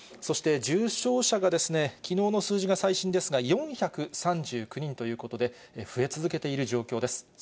そして重症者が、きのうの数字が最新ですが、４３９人ということで、増え続けている状況です。